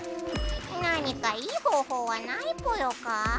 何かいい方ほうはないぽよか？